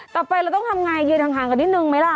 ต่อไปเราต้องทำไงยืนห่างกันนิดนึงไหมล่ะ